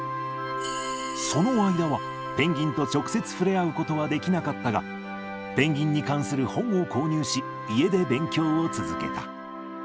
その間は、ペンギンと直接触れ合うことはできなかったが、ペンギンに関する本を購入し、家で勉強を続けた。